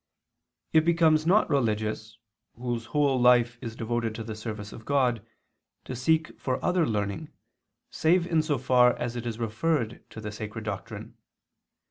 It becomes not religious, whose whole life is devoted to the service of God, to seek for other learning, save in so far as it is referred to the sacred doctrine.